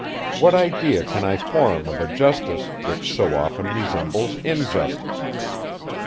What idea can I form of a justice, which so often resembles injustice?